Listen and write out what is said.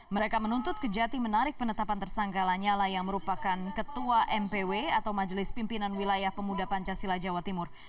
mereka menuntut kejati menarik penetapan tersangka lanyala yang merupakan ketua npw atau majelis pimpinan wilayah pemuda pancasila jawa timur